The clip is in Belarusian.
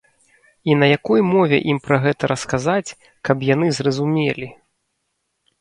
І на якой мове ім пра гэта расказаць, каб яны зразумелі?